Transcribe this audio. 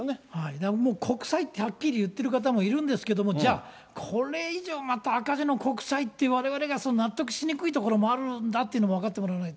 だからもう、国債ってはっきり言ってる方もいるんですけども、じゃあこれ以上また赤字の国債ってわれわれが納得しにくいところもあるんだってことも分かってもらわないと。